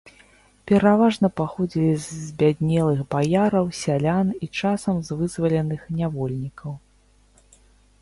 Пераважна паходзілі з збяднелых баяраў, сялян і часам з вызваленых нявольнікаў.